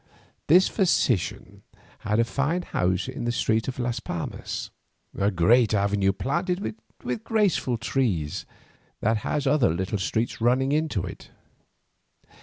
This physician had a fine house in the street of Las Palmas, a great avenue planted with graceful trees, that has other little streets running into it.